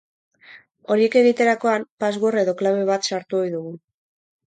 Horiek egiterakoan, password edo klabe bat sartu ohi dugu.